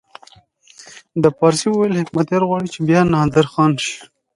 ده په فارسي وویل حکمتیار غواړي چې بیا نادرخان شي.